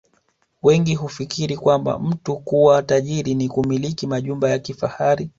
Wengi hufikiri kwamba mtu kuwa tajiri ni kumiliki majumba ya kifahari